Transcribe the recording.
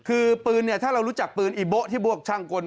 คือปืนเนี่ยถ้าเรารู้จักปืนอีโบ๊ะที่บวกช่างกล